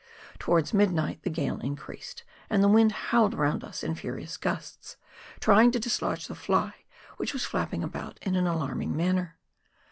Towards midnight the gale increased, and the wind howled round us in furious gusts, trying to dislodge the fly which was flapping about in an alarming manner.